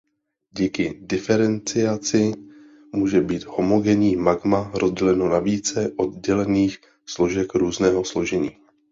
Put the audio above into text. Díky diferenciaci může být homogenní magma rozděleno na více oddělených složek různého složení.